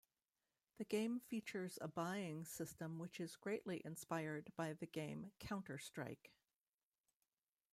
The game features a buying system which is greatly inspired by the game "Counter-Strike".